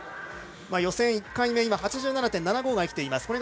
予選１回目の８７．７５が生きています。